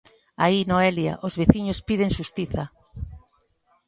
Aí Noelia, os veciños piden xustiza.